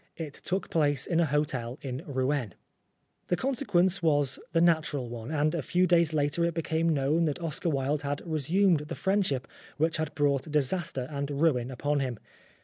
It took place in a hotel in Rouen. The consequence was the natural one, and a few days later it became known that Oscar Wilde had resumed the friendship which had brought disaster and ruin upon him.